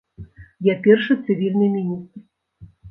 Я першы цывільны міністр.